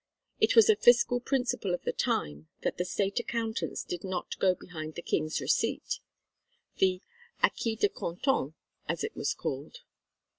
It was a fiscal principle of the time that the State accountants did not go behind the King's receipt the acquit de comptant as it was called.